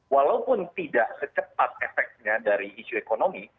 walaupun tidak secepat efeknya dari isu ekonomi